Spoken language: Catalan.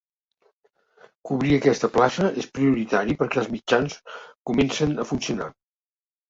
Cobrir aquesta plaça és prioritari perquè els mitjans comencen a funcionar.